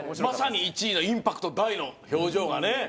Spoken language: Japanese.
まさに１位のインパクト大の表情がね。